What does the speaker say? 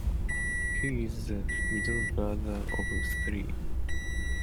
He is the middle brother of three.